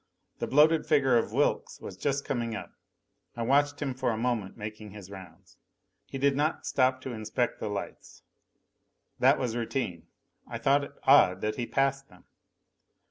The bloated figure of Wilks was just coming up. I watched him for a moment making his rounds. He did not stop to inspect the lights. That was routine. I thought it odd that he passed them.